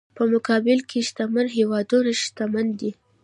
په مقابل کې شتمن هېوادونه شتمن دي.